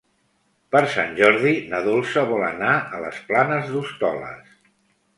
Per Sant Jordi na Dolça vol anar a les Planes d'Hostoles.